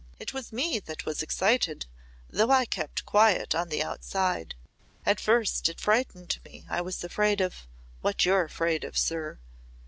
It was me that was excited though I kept quiet on the outside. At first it frightened me. I was afraid of what you're afraid of, sir.